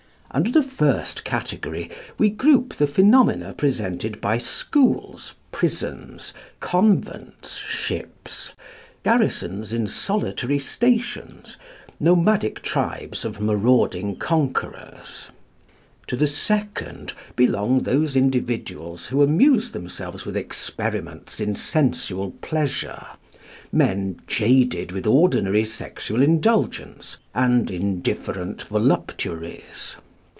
Under the first category we group the phenomena presented by schools, prisons, convents, ships, garrisons in solitary stations, nomadic tribes of marauding conquerors. To the second belong those individuals who amuse themselves with experiments in sensual pleasure, men jaded with ordinary sexual indulgence, and indifferent voluptuaries.